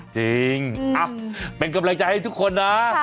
จริงเป็นกำลังใจให้ทุกคนนะ